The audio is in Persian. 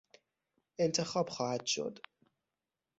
انتخاب خواهد شد